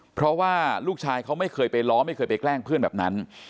เพราะว่าลูกชายเขาไม่เคยไปล้อไม่เคยไปแกล้งเพื่อนแบบนั้น